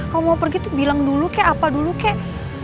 kamu mau pergi tuh bilang dulu kayak apa dulu kek